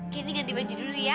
kini ganti baju dulu ya